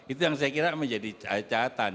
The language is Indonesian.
itu yang saya kira menjadi catatan